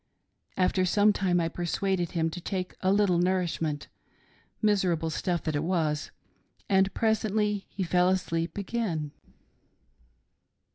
After some time I persuaded him to take a little nourishment — miserable stuff that it was — and presently he fell asleep again.